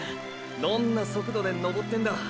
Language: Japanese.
どんな速度で登ってんだ。